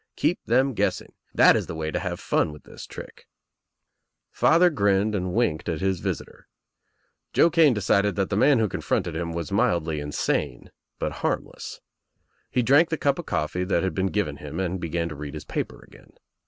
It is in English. Keep them guessing. That is the way to have fun with this trick," Father grinned and winked at his visitor. Joe Kane decided that the man who confronted him was mildly insane but harmless. He drank the cup of coffee that had been given him and began to read his paper again.